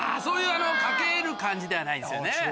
そういう賭ける感じではないですね。